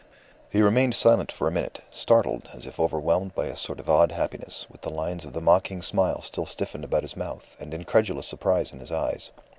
He remained silent for a minute, startled, as if overwhelmed by a sort of awed happiness, with the lines of the mocking smile still stiffened about his mouth, and incredulous surprise in his eyes.